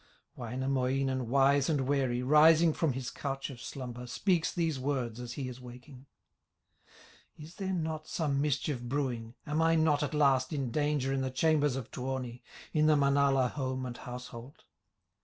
Wainamoinen, wise and wary, Rising from his couch of slumber, Speaks these words as he is waking: "Is there not some mischief brewing, Am I not at last in danger, In the chambers of Tuoni, In the Manala home and household?"